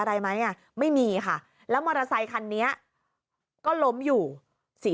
อะไรไหมอ่ะไม่มีค่ะแล้วมอเตอร์ไซคันนี้ก็ล้มอยู่สี